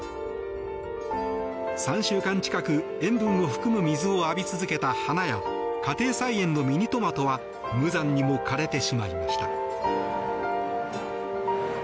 ３週間近く塩分を含む水を浴び続けた花や家庭菜園のミニトマトは無残にも枯れてしまいました。